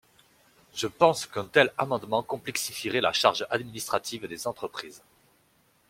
Je pense qu’un tel amendement complexifierait la charge administrative des entreprises.